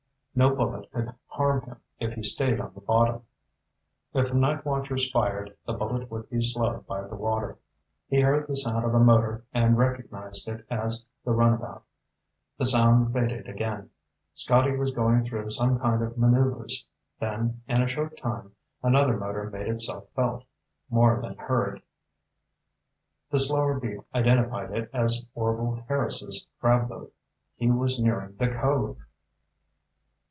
No bullet could harm him if he stayed on the bottom. If the night watchers fired, the bullet would be slowed by the water. He heard the sound of a motor and recognized it as the runabout. The sound faded again. Scotty was going through some kind of maneuvers. Then, in a short time, another motor made itself felt, more than heard. The slower beat identified it as Orvil Harris's crab boat. He was nearing the cove!